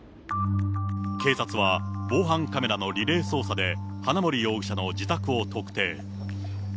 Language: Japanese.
警察は、防犯カメラのリレー捜査で、花森容疑者の自宅を特定。